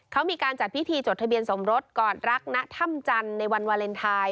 เขามีการจัดพิธีจดทะเบียนสมรสกอดรักณถ้ำจันทร์ในวันวาเลนไทย